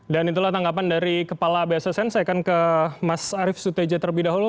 dan itulah tanggapan dari kepala bssn saya akan ke mas arief suteja terlebih dahulu